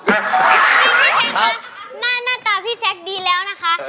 หน้าตาพี่ทรักดีแล้วนะคะ